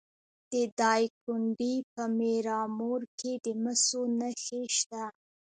د دایکنډي په میرامور کې د مسو نښې شته.